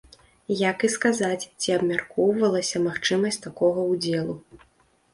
Як і сказаць, ці абмяркоўвалася магчымасць такога ўдзелу.